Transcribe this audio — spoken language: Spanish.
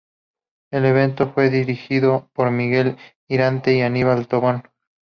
El evento fue dirigido por Miguel Iriarte y Aníbal Tobón.